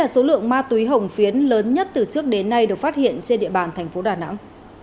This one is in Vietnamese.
số lượng ma túy hổng phiến lớn nhất từ trước đến nay được phát hiện trên địa bàn tp đà nẵng